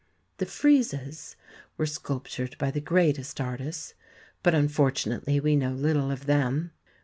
The friezes were sculptured by the greatest artists, but unfortunately we know little of them.